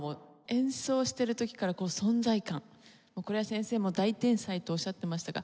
演奏してる時から存在感これは先生も大天才とおっしゃってましたが。